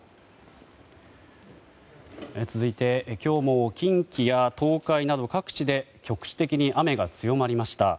続いて今日も近畿や東海など各地で局地的に雨が強まりました。